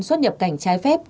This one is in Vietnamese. xuất nhập cảnh trái phép